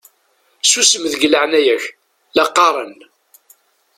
Susem deg leɛnaya-k la qqaṛen!